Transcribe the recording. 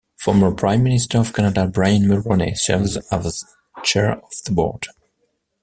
Former Prime Minister of Canada Brian Mulroney serves as chair of the board.